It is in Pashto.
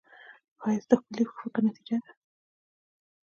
ښایست د ښکلي فکر نتیجه ده